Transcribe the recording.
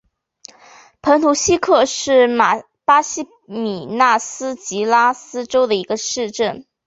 蓬图希克是巴西米纳斯吉拉斯州的一个市镇。